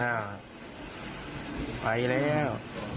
เอ้าไปแล้ว